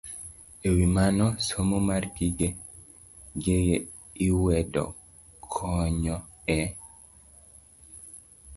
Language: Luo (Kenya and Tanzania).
E wi mano, somo mar gige lwedo konyo e